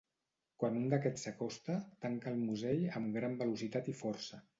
Quan un d'aquests s'acosta, tanca el musell amb gran velocitat i força.